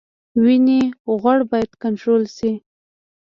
وینې غوړ باید کنټرول شي